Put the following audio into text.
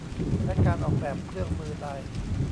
และการออกแบบเครื่องมือใด